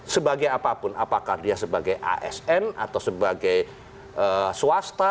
sebagai apapun apakah dia sebagai asn atau sebagai swasta